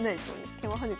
桂馬跳ねた。